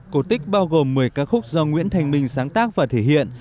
cổ tích bao gồm một mươi ca khúc do nguyễn thanh minh sáng tác và thể hiện